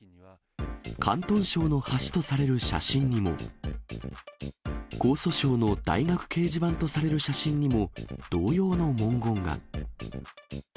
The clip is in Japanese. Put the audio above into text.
広東省の橋とされる写真にも、江蘇省の大学掲示板とされる写真にも、同様の文言が。